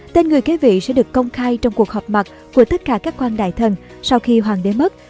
tên người kế vị sẽ được công khai trong cuộc họp mặt của tất cả các quang đại thần sau khi hoàng đế mất